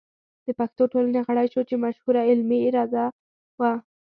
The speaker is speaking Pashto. د پښتو ټولنې غړی شو چې مشهوره علمي اداره وه.